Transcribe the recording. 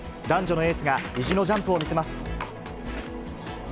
男女のエースが意地のジャンプを見せます。